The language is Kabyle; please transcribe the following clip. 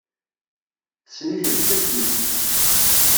Tessen-it deg teftist.